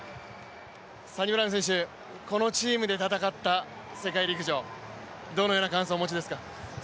サニブラウン選手、このチームで戦った世界陸上どのような感想をお持ちですか。